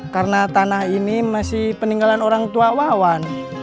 karena tanah ini masih peninggalan orang tua wawan